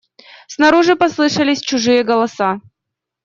Снаружи послышались чужие голоса.